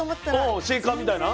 うんシェーカーみたいな？